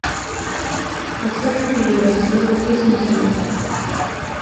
La seva filiació és incerta.